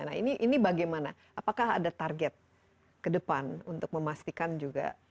nah ini bagaimana apakah ada target ke depan untuk memastikan juga